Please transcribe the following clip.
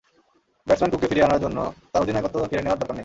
Batsman কুককে ফিরিয়ে আনার জন্য তাঁর অধিনায়কত্ব কেড়ে নেওয়ার দরকার নেই।